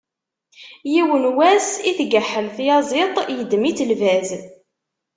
Yiwen wass i tgeḥḥel tyaẓiḍt, yeddem-itt lbaz.